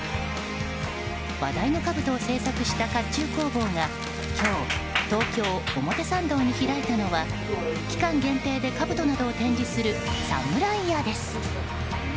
話題のかぶとを制作した甲冑工房が今日、東京・表参道に開いたのは期間限定でかぶとなどを展示するＳＡＭＵＲＡＩＹＡです。